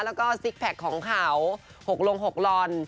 แล้วก็ซิกแพคของเขา๖ลง๖ลอน